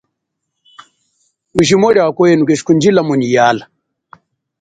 Mujimo lia kwenu keshikundjilamo nyi yala.